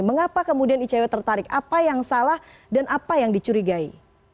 mengapa kemudian icw tertarik apa yang salah dan apa yang dicurigai